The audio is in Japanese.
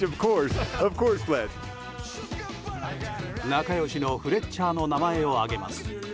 仲良しのフレッチャーの名前を挙げます。